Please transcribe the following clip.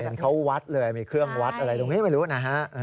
เห็นเขาวัดเลยมีเครื่องวัดอะไรไม่รู้นะ